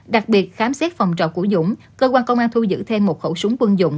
đặc biệt khám xét phòng trọ của dũng cơ quan công an thu giữ thêm một khẩu súng quân dụng